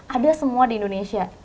ada semua di indonesia